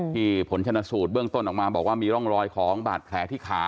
ผลชนสูตรเบื้องต้นออกมาบอกว่ามีร่องรอยของบาดแผลที่ขา